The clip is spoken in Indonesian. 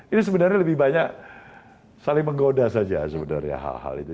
ini sebenarnya lebih banyak saling menggoda saja sebenarnya hal hal itu